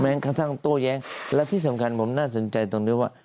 กระทั่งโต้แย้งและที่สำคัญผมน่าสนใจตรงนี้ว่า